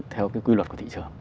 theo cái quy luật của thị trường